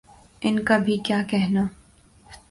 ان کا بھی کیا کہنا۔